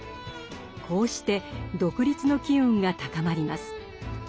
こうして独立の機運が高まります。